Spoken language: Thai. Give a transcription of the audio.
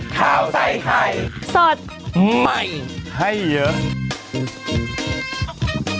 ข้าวใส่ไข่สดใหม่ให้เยอะ